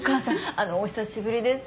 あのお久しぶりです。